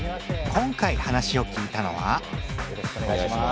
今回話を聞いたのはよろしくおねがいします。